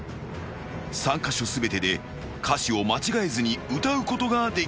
［３カ所全てで歌詞を間違えずに歌うことができれば］